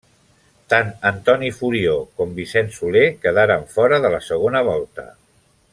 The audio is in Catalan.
Tant Antoni Furió com Vicent Soler quedaren fora de la segona volta.